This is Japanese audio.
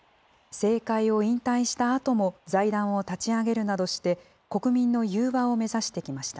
政界を引退したあとも、財団を立ち上げるなどして、国民の融和を目指してきました。